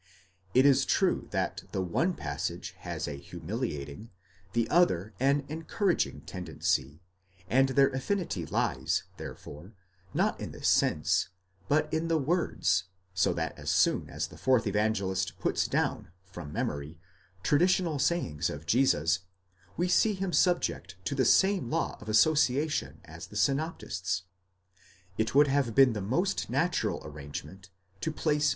It is true, that the one passage has a humiliating, the other an encouraging tendency, and their affinity lies, therefore, not in the sense, but in the words ; so that as soon as the fourth Evangelist puts down, from memory, traditional sayings of Jesus, we see him subject to the same law of association as the synoptists. It would have been the most natural arrangement to place v.